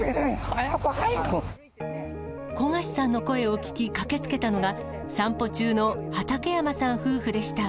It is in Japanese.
早く、木焦さんの声を聞き、駆けつけたのが、散歩中の畠山さん夫婦でした。